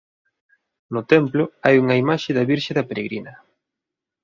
No templo hai unha imaxe da Virxe da Peregrina.